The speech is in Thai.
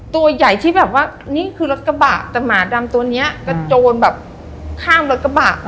ตัวใหญ่ที่แบบว่านี่คือรถกระบะแต่หมาดำตัวเนี้ยกระโจนแบบข้ามรถกระบะ